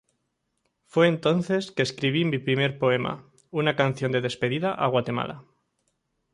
Fue entonces que escribí mi primer poema, una canción de despedida a Guatemala.